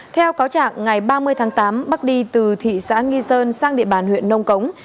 theo cáo trạng ngày ba mươi tháng tám bắc đi từ thị xã nghi sơn sang địa bàn huyện nông cống